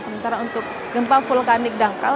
sementara untuk gempa vulkanik dangkal